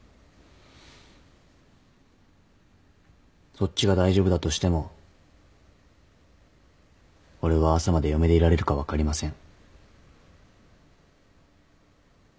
そっちが大丈夫だとしても俺は朝まで嫁でいられるか分かりません。